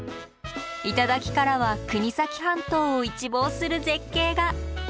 頂からは国東半島を一望する絶景が。